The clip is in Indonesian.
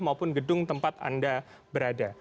maupun gedung tempat anda berada